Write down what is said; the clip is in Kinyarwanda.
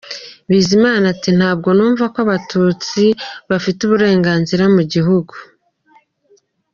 Bizimana ati “Ntabwo yumvaga ko Abatutsi bafite uburenganzira ku gihugu.